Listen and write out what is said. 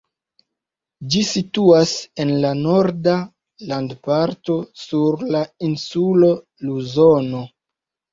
Ĝi situas en la norda landoparto, sur la insulo Luzono.